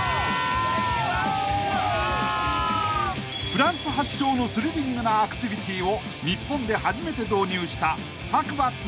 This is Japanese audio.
［フランス発祥のスリリングなアクティビティを日本で初めて導入した］